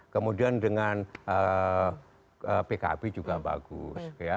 kemudian dengan pkb juga bagus